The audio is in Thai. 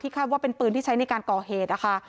คาดว่าเป็นปืนที่ใช้ในการก่อเหตุนะคะ